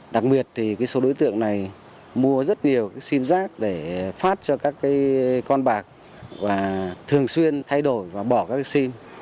đặc biệt thì số đối tượng này mua rất nhiều sim giác để phát cho các con bạc và thường xuyên thay đổi và bỏ các sim